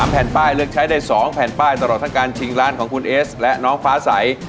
แผ่นป้ายเลือกใช้ได้๒แผ่นป้ายตลอดทั้งการชิงล้านของคุณเอสและน้องฟ้าใส